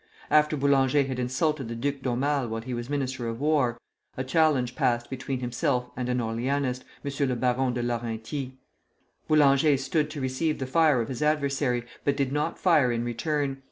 After Boulanger had insulted the Duc d'Aumale while he was Minister of War, a challenge passed between himself and an Orleanist, M. le Baron de Lareinty. Boulanger stood to receive the fire of his adversary, but did not fire in return.